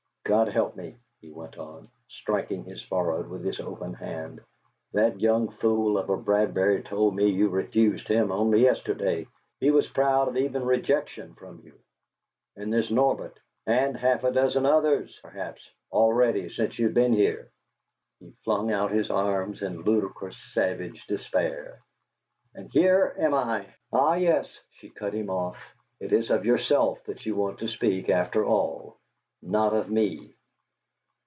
God help me," he went on, striking his forehead with his open hand, "that young fool of a Bradbury told me you refused him only yesterday! He was proud of even rejection from you! And there's Norbert and half a dozen others, perhaps, already, since you've been here." He flung out his arms in ludicrous, savage despair. "And here am I " "Ah yes," she cut him off, "it is of yourself that you want to speak, after all not of me!"